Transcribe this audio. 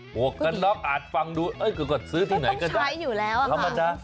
หมวกกะน็อกอาจฟังดูเอ้ยก็กดซื้อที่ไหนก็ได้